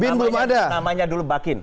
namanya dulu bakin